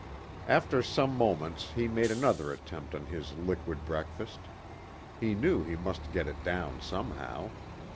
After some moments he made another attempt on his liquid breakfast. He knew he must get it down somehow.